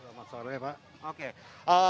selamat sore pak oke